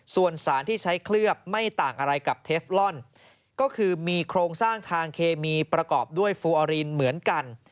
ส่วนสารที่ใช้เคลือบไม่ต่างอะไรกับเทฟลอนก็คือมีโครงสร้างทางเคมีประกอบด้วยฟูออรินเหมือนกัน